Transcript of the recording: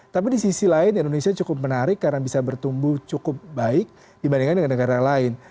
tapi di sisi lain indonesia cukup menarik karena bisa bertumbuh cukup baik dibandingkan dengan negara lain